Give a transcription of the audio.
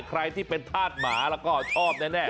ใครที่เป็นธาตุหมาแล้วก็ชอบแน่